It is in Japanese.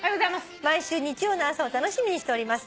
毎週日曜の朝を楽しみにしております」